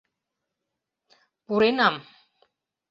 — Пуренам.